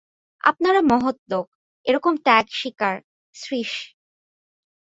আপনারা মহৎ লোক– এরকম ত্যাগস্বীকার– শ্রীশ।